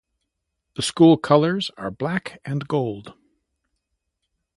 The school colors are black and gold.